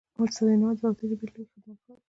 استاد بینوا د پښتو ژبې لوی خدمتګار و.